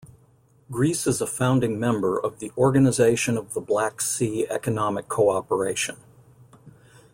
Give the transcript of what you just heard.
Greece is a founding member of the Organization of the Black Sea Economic Cooperation.